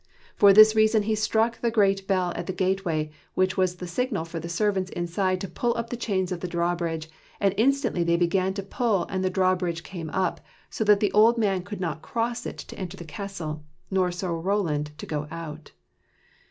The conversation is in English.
For this reason he struck the great bell at the gateway, which was the signal for the servants inside to pull in the chains of the drawbridge, and instantly they began to pull, and the drawbridge came up, so that the old man could not cross it to enter the castle, nor Sir Roland to go out.